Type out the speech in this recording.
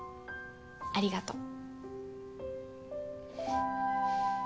ありがとう。